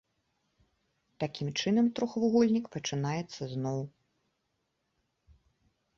Такім чынам трохвугольнік пачынаецца зноў.